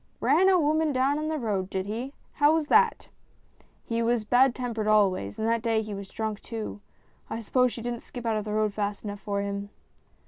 " Ran a woman down in the road, did he ? How was that ?"" He was bad tempered always, and that day he was drunk too. I suppose she didn't skip out of the road fast enough for him."